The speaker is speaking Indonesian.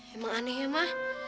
emang aneh ya ma